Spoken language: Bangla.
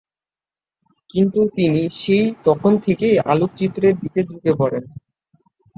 কিন্তু তিনি সেই তখন থেকেই আলোকচিত্রের দিকে ঝুঁকে পড়েন।